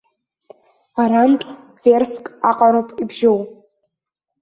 Арантә верск аҟароуп ибжьоу.